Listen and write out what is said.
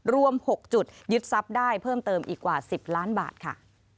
รวม๖จุดยึดทรัพย์ได้เพิ่มเติมอีกกว่า๑๐ล้านบาทค่ะ